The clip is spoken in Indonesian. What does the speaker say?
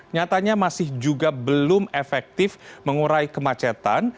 nyatanya masih juga belum efektif mengurai kemacetan